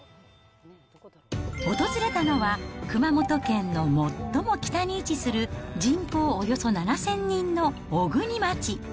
訪れたのは、熊本県の最も北に位置する、人口およそ７０００人の小国町。